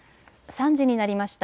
３時になりました。